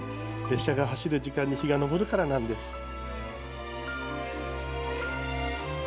列車が走る時間に日が昇るからなんです。